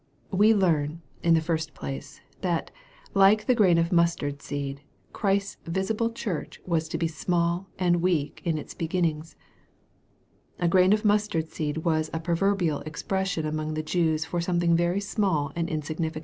We learn, in the first place, that, like the grain of mustard seed, Christ's visible, church was to be small and weak in its beginnings. A grain of mustard seed was a proverbial expression among the Jews for something very small and insignifi 78 EXPOSITOR f THOUGHTS.